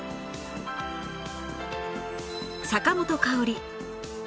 坂本花織